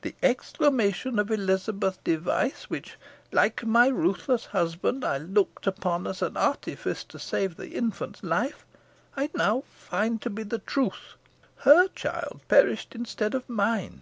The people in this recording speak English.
The exclamation of Elizabeth Device, which, like my ruthless husband, I looked upon as an artifice to save the infant's life, I now find to be the truth. Her child perished instead of mine.